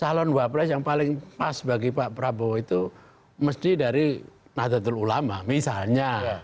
calon wapres yang paling pas bagi pak prabowo itu mesti dari nahdlatul ulama misalnya